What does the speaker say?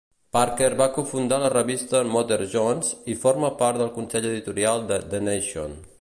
Parker va cofundar la revista "Mother Jones" i forma part del consell editorial de "The Nation".